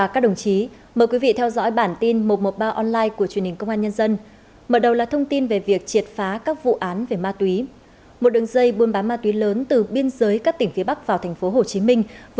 cảm ơn các bạn đã theo dõi